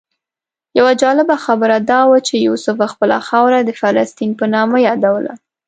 یوه جالبه خبره دا وه چې یوسف خپله خاوره د فلسطین په نامه یادوله.